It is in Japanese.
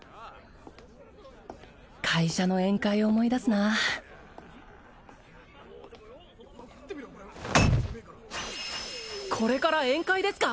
会社の宴会思い出すなこれから宴会ですか？